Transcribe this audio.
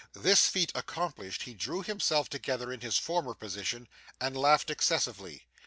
This feat accomplished he drew himself together in his former position, and laughed excessively.